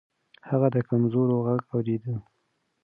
هغه د کمزورو غږ اورېده.